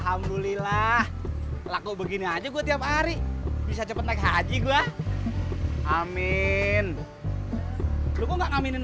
alhamdulillah laku begini aja gue tiap hari bisa cepat naik haji gua amin luku enggak ngaminin